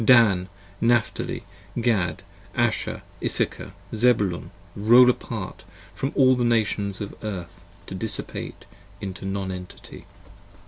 50 Dan: Napthali: Gad: Asher: Issachar: Zebulun: roll apart From all the Nations of the Earth to dissipate into Non Entity.